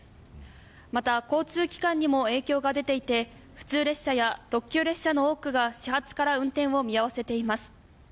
また、交通機関にも影響が出ていて普通列車や特急列車の多くが始発から運転を見合わせています。